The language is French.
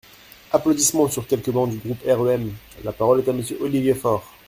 (Applaudissements sur quelques bancs du groupe REM.) La parole est à Monsieur Olivier Faure.